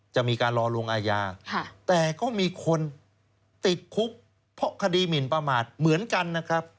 จะมีการรอลงอาญาแต่ก็มีคนติดคุกเพราะคดีหมินประมาทเหมือนกันนะครับ